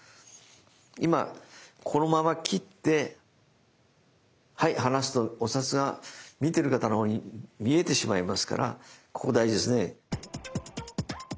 今このまま切ってはい離すとお札が見てる方の方に見えてしまいますからここ大事ですね。